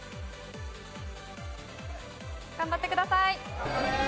頑張ってください。